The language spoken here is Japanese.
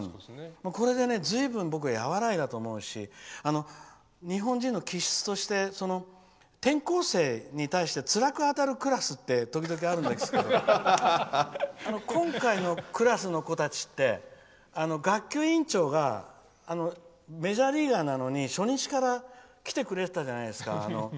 これでずいぶん、和らいだと僕は思うし日本人の気質として転校生に対してつらく当たるクラスって時々あるんですけど今回のクラスの子たちって学級委員長がメジャーリーガーなのに初日から来てくれてたじゃないですか。